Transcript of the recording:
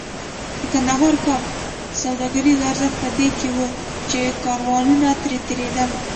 د کندهار ښار سوداګریز ارزښت په دې کې و چې کاروانونه ترې تېرېدل.